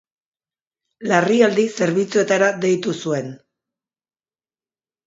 Larrialdi zerbitzuetara deitu zuen.